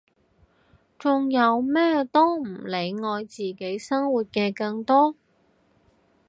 仲有咩都唔理愛自己生活嘅更多！